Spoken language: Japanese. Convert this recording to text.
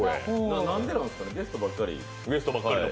なんでなんですかね、ゲストばっかりでね。